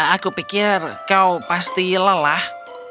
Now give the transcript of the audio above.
aku pikir kau pasti lelah